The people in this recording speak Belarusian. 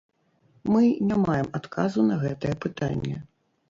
Мы не маем адказу на гэтае пытанне.